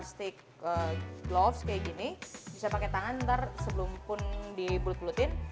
sebenarnya ini kalau mau gak pakai kelastic gloves kayak gini bisa pakai tangan ntar sebelumpun dibulut bulutin